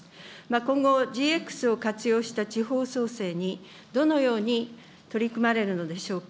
今後、ＧＸを活用した地方創生にどのように取り組まれるのでしょうか。